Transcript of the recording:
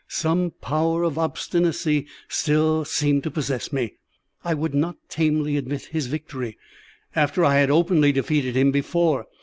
Some power of obstinacy seemed to possess me. I would not tamely admit his victory, after I had openly defeated him before.